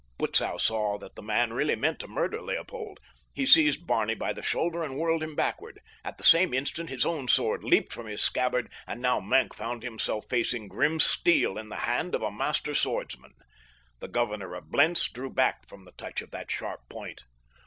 Butzow saw that the man really meant to murder Leopold. He seized Barney by the shoulder and whirled him backward. At the same instant his own sword leaped from his scabbard, and now Maenck found himself facing grim steel in the hand of a master swordsman. The governor of Blentz drew back from the touch of that sharp point.